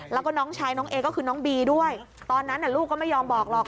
แล้วก็น้องชายน้องเอก็คือน้องบีด้วยตอนนั้นลูกก็ไม่ยอมบอกหรอก